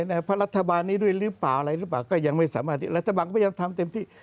เพราะรัฐบาลนี้ด้วยหรือเปล่าอะไรหรือเปล่าก็ยังไม่สามารถที่รัฐบาลก็พยายามทำเต็มที่